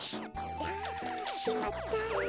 あしまった。